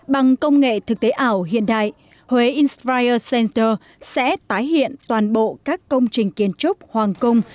bằng công nghệ thực tế ảo hiện đại huế insprier center sẽ tái hiện toàn bộ các công trình kiến trúc hoàng cung